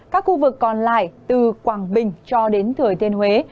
các khu vực còn lại từ quảng bình cho đến thửa tiên huế